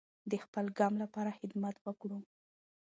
د خپل قام لپاره خدمت وکړو.